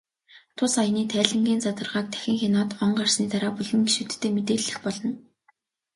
Тус аяны тайлангийн задаргааг дахин хянаад, он гарсны дараа бүлгийн гишүүддээ мэдээлэх болно.